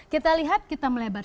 kita lihat kita melebar